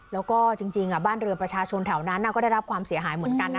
แล้วก็จริงบ้านเรือประชาชนแถวนั้นก็ได้รับความเสียหายเหมือนกันนะ